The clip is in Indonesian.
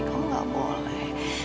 kamu nggak boleh